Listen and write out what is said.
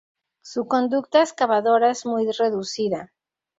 Su conducta excavadora es muy reducida.